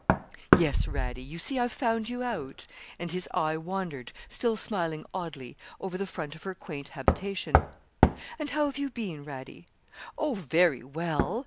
'Yes, Radie, you see I've found you out;' and his eye wandered, still smiling oddly, over the front of her quaint habitation. 'And how have you been, Radie?' 'Oh, very well.